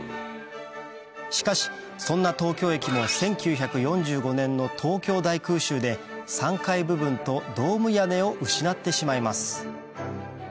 しかしそんな東京駅も１９４５年の東京大空襲で３階部分とドーム屋根を失ってしまいます